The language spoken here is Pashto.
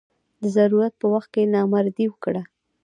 د ضرورت په وخت کې نامردي وکړه.